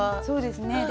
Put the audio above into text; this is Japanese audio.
そうですね。